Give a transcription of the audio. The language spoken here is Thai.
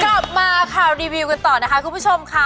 กลับมาข่าวรีวิวกันต่อนะคะคุณผู้ชมค่ะ